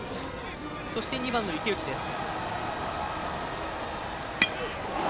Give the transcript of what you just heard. そして、２番の池内です。